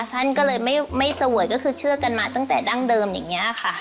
ท่านก็เลยไม่เสวยก็คือเชื่อกันมาตั้งแต่ดั้งเดิมอย่างนี้ค่ะ